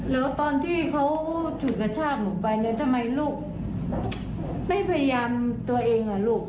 แล้วตอนที่เขาฉุดกระชากหนูไปแล้วทำไมลูกไม่พยายามตัวเองอ่ะลูก